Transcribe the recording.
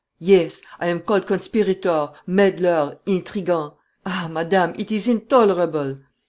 "Yes, I am called conspirator, meddler, intrigant. Ah, madame, it is intolerable."